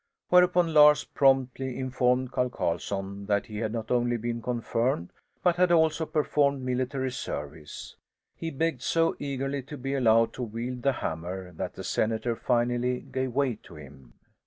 Whereupon Lars promptly informed Carl Carlson that he had not only been confirmed but had also performed military service. He begged so eagerly to be allowed to wield the hammer that the senator finally gave way to him.